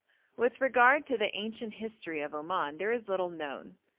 With regard to the ancient history of Oman, there is little known.